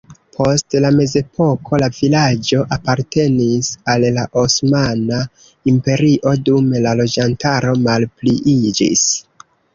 Post la mezepoko la vilaĝo apartenis al la Osmana Imperio, dume la loĝantaro malpliiĝis.